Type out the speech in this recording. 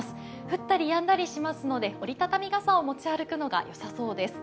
降ったりやんだりしますので折り畳み傘を持ち歩くのがよさそうです。